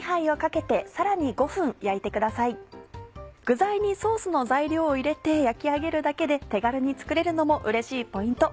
具材にソースの材料を入れて焼き上げるだけで手軽に作れるのもうれしいポイント。